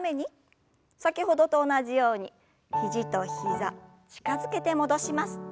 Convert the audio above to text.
先ほどと同じように肘と膝近づけて戻します。